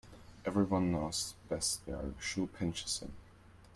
Every one knows best where the shoe pinches him.